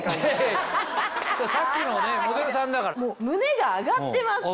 胸が上がってます。